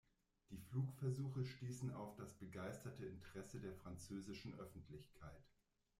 Die Flugversuche stießen auf das begeisterte Interesse der französischen Öffentlichkeit.